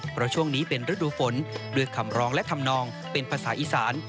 เพราะช่วงนี้เป็นฤดูฝนด้วยคำร้องและทำนองเป็นภาษาอีสาน